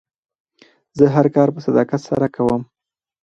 زه هر کار په صداقت سره کوم.